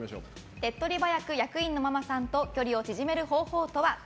手っ取り早く役員のママさんと距離を縮める方法とは？